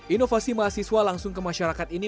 inovasi mahasiswa langsung ke masyarakat ini